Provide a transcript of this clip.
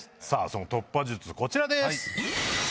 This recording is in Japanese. その突破術こちらです！